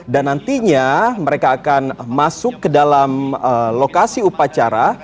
dan nantinya mereka akan masuk ke dalam lokasi upacara